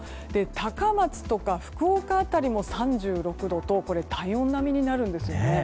高松とか福岡辺りも３６度と体温並みになるんですね。